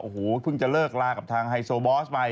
โอ้โหเพิ่งจะเลิกลากับทางไฮโซบอสไป